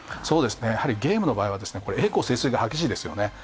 やはりゲームの場合は栄枯盛衰が激しいですよね。